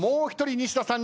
西田さん。